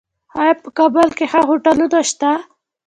آیا په کابل کې ښه هوټلونه شته؟